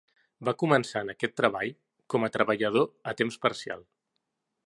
Va començar en aquest treball com a treballador a temps parcial.